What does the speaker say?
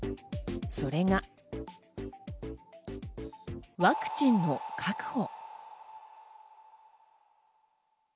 それがワクチンの確保。